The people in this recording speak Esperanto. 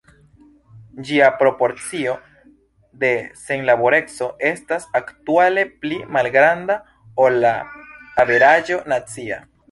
Ĝia proporcio de senlaboreco estas aktuale pli malgranda ol la averaĝo nacia.